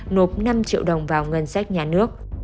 nộp năm triệu đồng vào ngân sách nhà nước